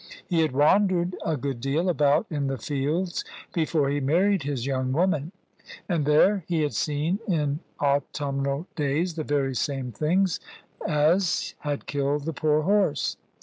He had wandered a good deal about in the fields before he married his young woman; and there he had seen, in autumnal days, the very same things as had killed the poor horse.